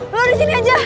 lo disini aja